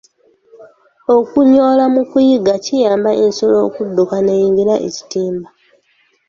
Okuyoola mu kuyigga kiyamba ensolo okudduka n’eyingira ekitimba.